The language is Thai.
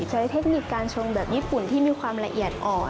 เทคนิคการชงแบบญี่ปุ่นที่มีความละเอียดอ่อน